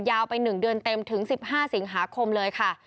ไป๑เดือนเต็มถึง๑๕สิงหาคมเลยค่ะ